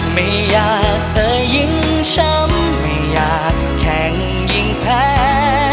ไม่อยากเธอยิ่งช้ำไม่อยากแข่งยิ่งแพ้